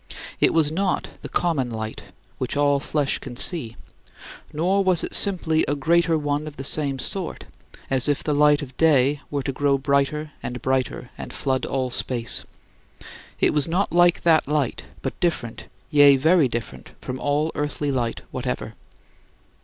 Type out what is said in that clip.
It was not the common light, which all flesh can see; nor was it simply a greater one of the same sort, as if the light of day were to grow brighter and brighter, and flood all space. It was not like that light, but different, yea, very different from all earthly light whatever.